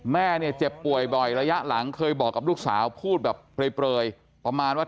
แม่เนี่ยเจ็บป่วยบ่อยระยะหลังเคยบอกกับลูกสาวพูดแบบเปลยประมาณว่า